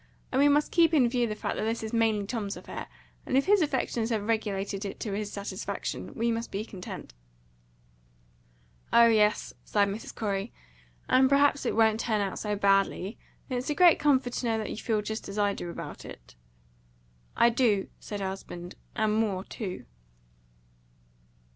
And we must keep in view the fact that this is mainly Tom's affair, and if his affections have regulated it to his satisfaction, we must be content." "Oh yes," sighed Mrs. Corey. "And perhaps it won't turn out so badly. It's a great comfort to know that you feel just as I do about it." "I do," said her husband, "and more too."